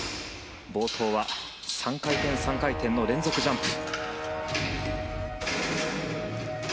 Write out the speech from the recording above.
冒頭は３回転、３回転の連続ジャンプ。